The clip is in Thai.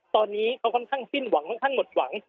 ตอนนี้เขาค่อนข้างสิ้นหวังค่อนข้างหมดหวัง